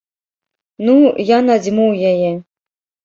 Ну, я надзьмуў яе.